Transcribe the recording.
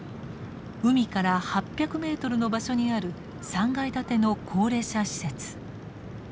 海から８００ｍの場所にある３階建ての高齢者施設。